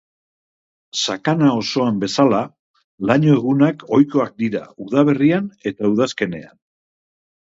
Sakana osoan bezala, laino egunak ohikoak dira udaberrian eta udazkenean.